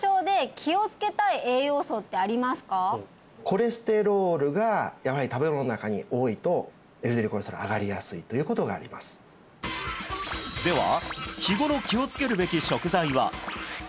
コレステロールがやはり食べ物の中に多いとＬＤＬコレステロールが上がりやすいということがありますでは日頃気をつけるべき食材は？